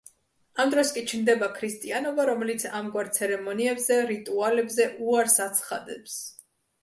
ამ დროს კი ჩნდება ქრისტიანობა, რომელიც ამგვარ ცერემონიებზე, რიტუალებზე უარს აცხადებს.